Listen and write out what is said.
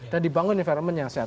dan dibangun environment yang sehat